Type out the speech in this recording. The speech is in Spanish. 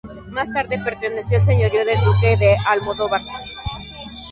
Más tarde perteneció al señorío del duque de Almodóvar.